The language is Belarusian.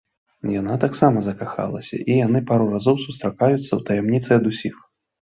Яна таксама закахалася, і яны пару раз сустракаюцца ў таямніцы ад усіх.